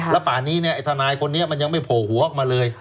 แล้วป่านนี้เนี่ยไอ้ทนายคนนี้มันยังไม่โผล่หัวออกมาเลย